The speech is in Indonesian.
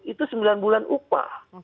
itu sembilan bulan upah